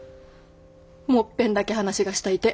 もっぺんだけ話がしたいて。